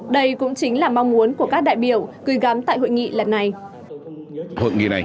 đây cũng chính là mong muốn của các đại biểu gửi gắm tại hội nghị lần này